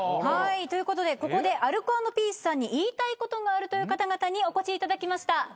はいということでここでアルコ＆ピースさんに言いたいことがあるという方々にお越しいただきました。